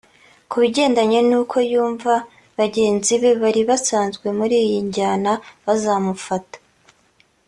Kubigendanye n’uko yumva bagenzi be bari basanzwe muri iyi njyana bazamufata